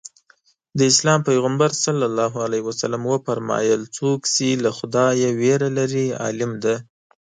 د اسلام پیغمبر ص وفرمایل څوک چې له خدایه وېره لري عالم دی.